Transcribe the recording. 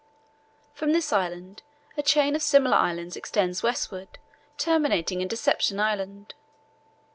From this island a chain of similar islands extends westward, terminating in Deception Island.